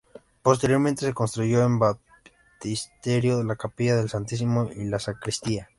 Posteriormente se construyó el Baptisterio, la capilla del Santísimo y la Sacristía.